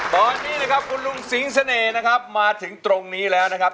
ตอนนี้นะครับคุณลุงสิงเสน่ห์นะครับมาถึงตรงนี้แล้วนะครับ